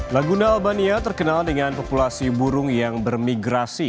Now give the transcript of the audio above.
laguna albania terkenal dengan populasi burung yang bermigrasi